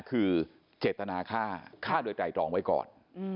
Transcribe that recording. คือเจตนาฆ่าฆ่าโดยไตรตรองไว้ก่อน